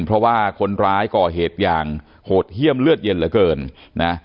เพราะว่าคนร้ายก่อเหตุอย่างโหดเยี่ยมเลือดเย็นเหลือเกินนะ